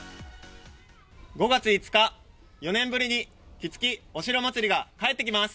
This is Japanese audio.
５月５日、４年ぶりに、きつきお城まつりが帰ってきます。